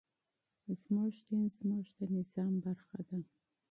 زموږ دين زموږ د نظام برخه ده.